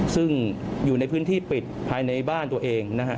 ซึ่งอยู่ในพื้นที่ปิดภายในบ้านตัวเองนะฮะ